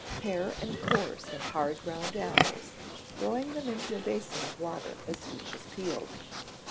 Pare and core some hard round apples, throwing them into a basin of water as each is peeled.